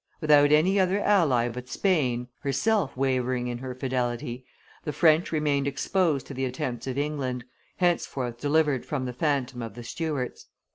Without any other ally but Spain, herself wavering in her fidelity, the French remained exposed to the attempts of England, henceforth delivered from the phantom of the Stuarts.